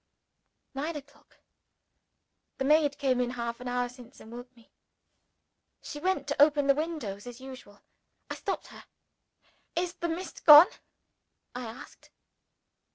Nine o'clock. The maid came in half an hour since, and woke me. She went to open the window as usual. I stopped her. "Is the mist gone?" I asked.